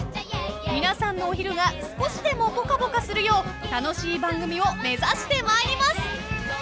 ［皆さんのお昼が少しでもぽかぽかするよう楽しい番組を目指してまいります］